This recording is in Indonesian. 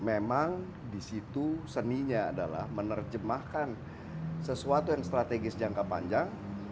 memang di situ seninya adalah menerjemahkan sesuatu yang strategis jangka panjang